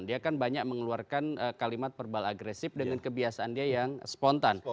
dia kan banyak mengeluarkan kalimat verbal agresif dengan kebiasaan dia yang spontan